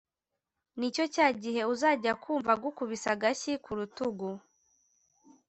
nicyo cya gihe uzanjya kumva agukubise agashyi ku rutugu